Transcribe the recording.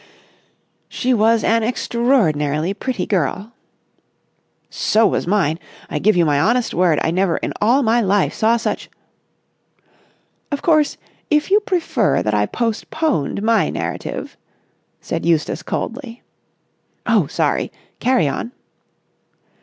"She was an extraordinarily pretty girl...." "So was mine! I give you my honest word I never in all my life saw such...." "Of course, if you prefer that I postponed my narrative?" said Eustace coldly. "Oh, sorry! Carry on."